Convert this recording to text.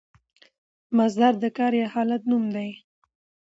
مصدر د کار یا حالت نوم دئ.